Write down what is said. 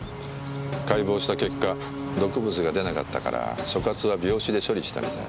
解剖した結果毒物が出なかったから所轄は病死で処理したみたい。